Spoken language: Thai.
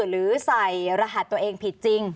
หรือใส่รหัสตัวเองผิดจริง